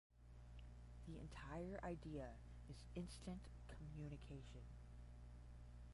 The entire idea is instant communication.